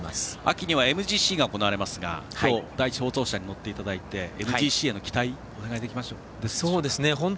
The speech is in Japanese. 秋にはＭＧＣが行われますが今日、第１放送車に乗っていただいてＭＧＣへの期待、お願いします。